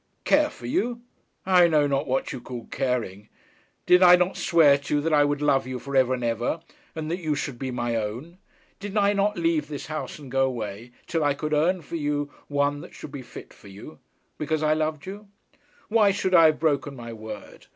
'Care for you? I know not what you call caring. Did I not swear to you that I would love you for ever and ever, and that you should be my own? Did I not leave this house and go away, till I could earn for you one that should be fit for you, because I loved you? Why should I have broken my word?